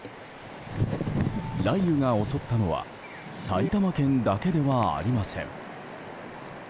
雷雨が襲ったのは埼玉県だけではありません。